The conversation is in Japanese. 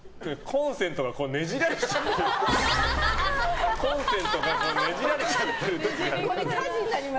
コンセントがねじられちゃってる時がある。